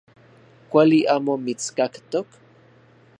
Kuali amo mitskaktok.